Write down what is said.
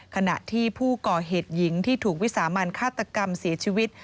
ขณะที่ผู้ก่อเหตุหญิงที่ถูกวิสามันฆาตกรรมเสียชีวิต